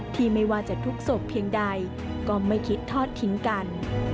ไม่ว่าจะทุกศพเพียงใดก็ไม่คิดทอดทิ้งกัน